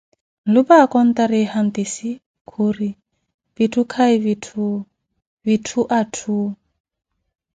Nlupa akontariye hantisi khuri: vitthu kahi vitthu, vitthu atthu.